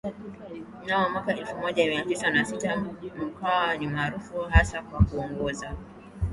mnamo mwaka elfu moja mia tisa na sita Mkwawa ni maarufu hasa kwa kuongoza